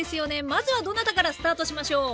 まずはどなたからスタートしましょう？